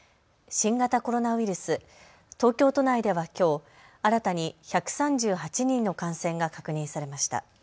新型コロナウイルス、東京都内ではきょう新たに１３８人の感染が確認されました。